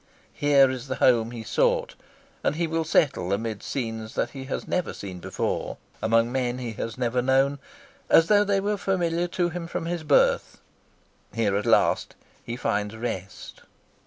Here is the home he sought, and he will settle amid scenes that he has never seen before, among men he has never known, as though they were familiar to him from his birth. Here at last he finds rest.